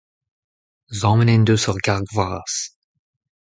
Sammet en deus ur garg vras.